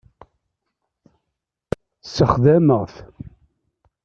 Sexdameɣ-t.